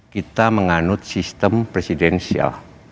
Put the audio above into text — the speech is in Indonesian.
kita menganut sistem presidensial